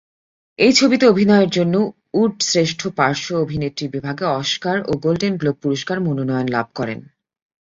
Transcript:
এই ছবিতে অভিনয়ের জন্য উড শ্রেষ্ঠ পার্শ্ব অভিনেত্রী বিভাগে অস্কার ও গোল্ডেন গ্লোব পুরস্কার মনোনয়ন লাভ করেন।